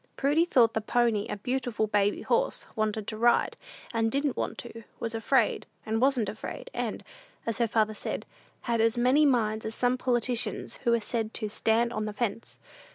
Prudy thought the pony a beautiful "baby horse;" wanted to ride, and didn't want to; was afraid, and wasn't afraid, and, as her father said, "had as many minds as some politicians who are said to 'stand on the fence.'"